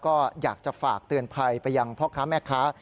ก็อยากจะฝากเตือนภัยไปยังพ่อค้าแม่ค้า